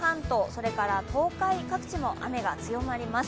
それから東海各地も雨が強まります。